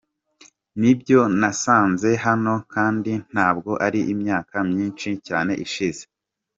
Nibyo nasanze hano, kandi ntabwo ari imyaka myinshi cyane ishize.”